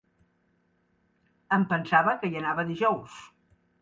Em pensava que hi anava dijous.